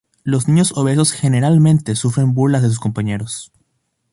Los niños obesos generalmente sufren burlas de sus compañeros.